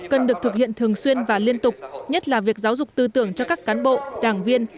cần được thực hiện thường xuyên và liên tục nhất là việc giáo dục tư tưởng cho các cán bộ đảng viên